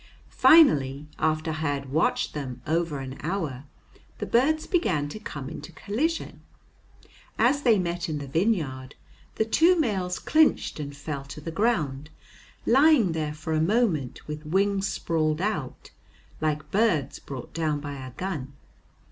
Finally, after I had watched them over an hour, the birds began to come into collision. As they met in the vineyard, the two males clinched and fell to the ground, lying there for a moment with wings sprawled out, like birds brought down by a gun.